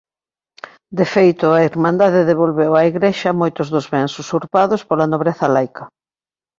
De feito a Irmandade devolveu á igrexa moitos dos bens usurpados pola nobreza laica.